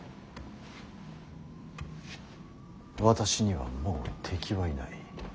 私にはもう敵はいない。